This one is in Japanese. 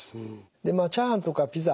でまあチャーハンとかピザ